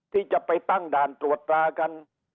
ที่จะไปตั้งด่านตรวจตรากัน